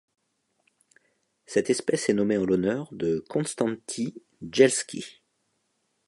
Cette espèce est nommée en l'honneur de Konstanty Jelski.